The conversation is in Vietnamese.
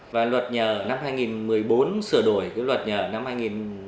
và luật nhờ năm hai nghìn một mươi bốn sửa đổi luật nhờ năm hai nghìn năm đã điều chỉnh lại